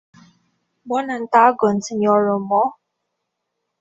Bonan tagon sinjoro M.!